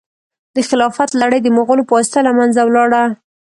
د خلافت لړۍ د مغولو په واسطه له منځه ولاړه.